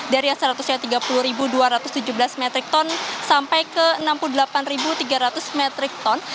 dari yang seratusnya tiga puluh dua ratus tujuh belas metrik ton sampai ke enam puluh delapan tiga ratus metrik ton